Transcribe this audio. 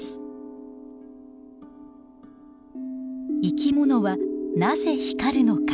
生き物はなぜ光るのか？